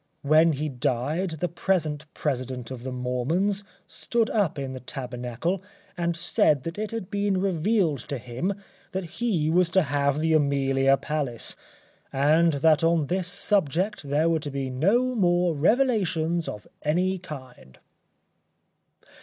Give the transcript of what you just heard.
When he died the present president of the Mormons stood up in the Tabernacle and said that it had been revealed to him that he was to have the Amelia Palace, and that on this subject there were to be no more revelations of any kind!